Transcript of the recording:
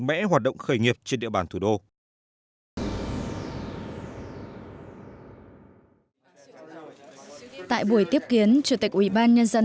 mẽ hoạt động khởi nghiệp trên địa bàn thủ đô tại buổi tiếp kiến chủ tịch ủy ban nhân dân